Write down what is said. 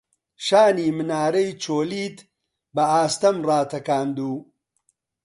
شانی منارەی چۆلیت بە ئاستەم ڕاتەکاند و